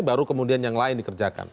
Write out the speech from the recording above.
baru kemudian yang lain dikerjakan